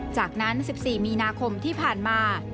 จากนั้น๑๔มีนาคมที่ผ่านมา